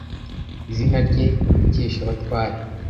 izina rye ni Mukeshabatware